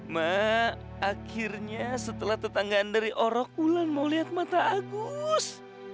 mak akhirnya setelah tetanggaan dari orokulan mau lihat mata agus